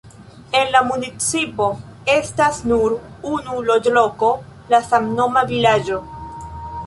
En la municipo estas nur unu loĝloko, la samnoma vilaĝo.